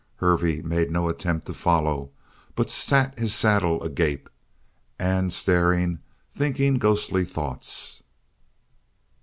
Hervey made no attempt to follow but sat his saddle agape and staring, thinking ghostly thoughts.